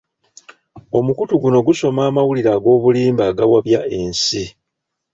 Omukutu guno gusoma amawulire ag'obulimba agawabya ensi.